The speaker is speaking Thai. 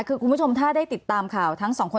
คือคุณผู้ชมถ้าได้ติดตามข่าวทั้งสองคน